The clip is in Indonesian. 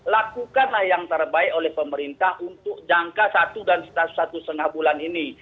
lakukanlah yang terbaik oleh pemerintah untuk jangka satu dan satu setengah bulan ini